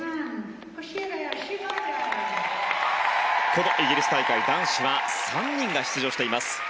このイギリス大会男子は３人が出場しています。